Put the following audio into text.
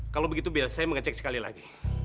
kalau begitu biar saya mengecek sekali lagi